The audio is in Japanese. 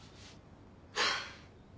ハァ。